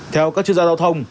theo các chuyên gia giao thông